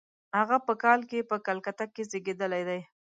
هغه په کال کې په کلکته کې زېږېدلی دی.